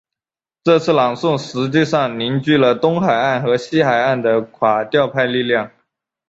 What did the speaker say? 这次朗诵实际上凝聚了东海岸和西海岸的垮掉派力量。